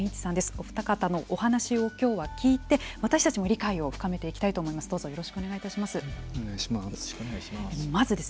お二方のお話を今日は聞いて私たちも理解を深めていきたいと思います。